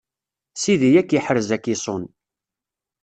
Sidi ad k-iḥrez ad k-iṣun.